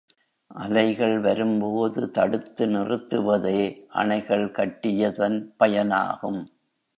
அலைகள் வரும்போது தடுத்து நிறுத்துவதே அணைகள் கட்டியதன் பயனாகும்.